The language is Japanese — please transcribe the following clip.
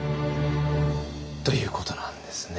ということなんですね。